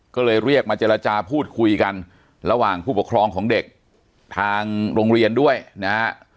ก็เลยเรียกมาเจรจาพูดคุยกันระหว่างผู้ปกครองของเด็กทางโรงเรียนด้วยนะฮะ